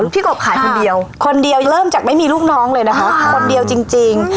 กบขายคนเดียวคนเดียวเริ่มจากไม่มีลูกน้องเลยนะคะคนเดียวจริง